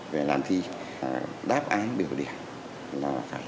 về làm thi đáp án biểu điểm là phải